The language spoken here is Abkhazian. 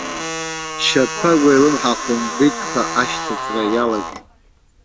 Шьаԥагәа илымҳа хәымбиҭәқәа ашьҭыҵра иалагеит.